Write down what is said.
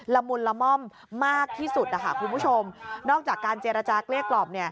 ละมุนละม่อมมากที่สุดคุณผู้ชมนอกจากการเจรจากเลี่ยกกรอบ